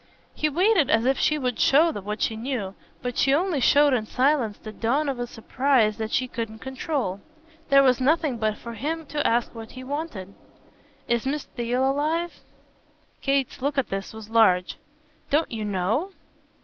He waited as if she would show what she knew; but she only showed in silence the dawn of a surprise that she couldn't control. There was nothing but for him to ask what he wanted. "Is Miss Theale alive?" Kate's look at this was large. "Don't you KNOW?"